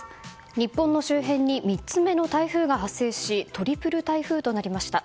日本周辺に３つ目の台風が発生しトリプル台風となりました。